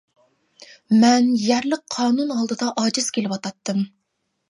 مەن يەرلىك قانۇن ئالدىدا ئاجىز كېلىۋاتاتتىم.